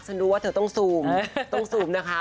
รู้ว่าเธอต้องซูมต้องซูมนะคะ